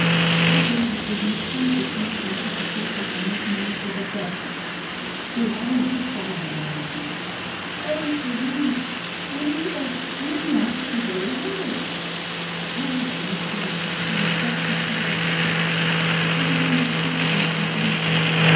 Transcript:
"She did not give me time to finish my imprecations on this monster, but said, 'Behold this darling young man! Oh, as for him, would he but skin you I should be delighted.' I looked hastily to see if what she said was true; I was only too soon convinced.